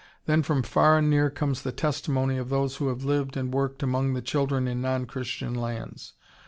Then from far and near comes the testimony of those who have lived and worked among the children in non Christian lands.